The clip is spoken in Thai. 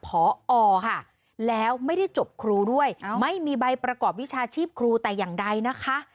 พอค่ะแล้วไม่ได้จบครูด้วยไม่มีใบประกอบวิชาชีพครูแต่อย่างใดนะคะ